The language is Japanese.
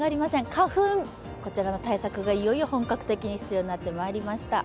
花粉、こちらの対策がいよいよ本格的に必要になってまいりました。